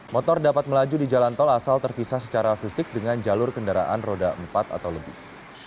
motor dapat melaju di jalan tol asal terpisah secara fisik dengan jalur kendaraan roda empat atau lebih